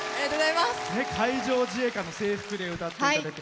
海上自衛官の制服で歌っていただいて。